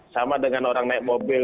sama dengan orang naik mobil